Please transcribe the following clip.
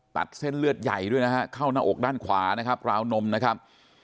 ตัดเส้นเลือดใหญ่ด้วยนะฮะเข้าหน้าอกด้านขวานะครับราวนมนะครับ